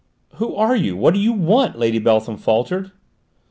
"Who are you? What do you want?" Lady Beltham faltered.